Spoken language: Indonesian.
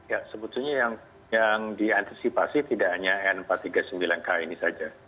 ya sebetulnya yang diantisipasi tidak hanya n empat ratus tiga puluh sembilan k ini saja